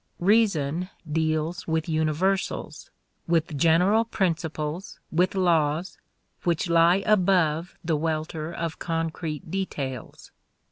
Reason deals with universals, with general principles, with laws, which lie above the welter of concrete details.